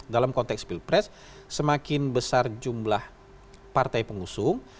dalam konteks spill press semakin besar jumlah partai pengusung